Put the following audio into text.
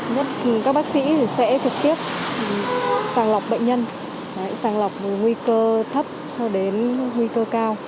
nhất các bác sĩ sẽ trực tiếp sàng lọc bệnh nhân sàng lọc nguy cơ thấp cho đến nguy cơ cao